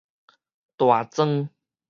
大庄